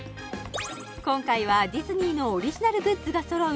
今回はディズニーのオリジナルグッズが揃う